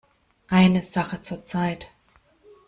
Eine Sache zur Zeit.